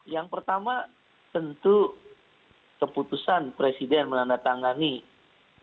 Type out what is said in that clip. yang pertama tentu keputusan presiden melandatangani undang undang omnibus hocipta kerja